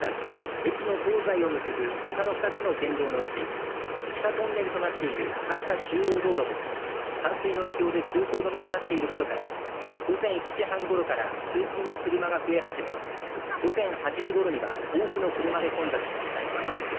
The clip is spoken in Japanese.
駅の東西を結ぶほかの２つの県道のうち地下トンネルとなっている秋田中央道路も冠水の影響で通行止めとなっていることから午前７時半ごろから通勤の車が増え始め午前８時ごろには多くの車で混雑しました。